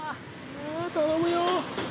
あ頼むよ！